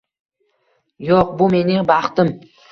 Yo`q, bu mening baxtim